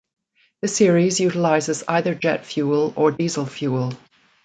The series utilizes either jet fuel or diesel fuel.